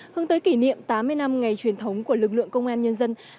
hướng tới kỷ niệm tám mươi năm ngày truyền thống của lực lượng công an nhân dân